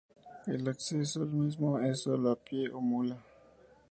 El acceso al mismo es sólo a pie o mula.